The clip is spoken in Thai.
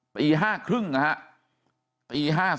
ปี๕๓๐นะฮะ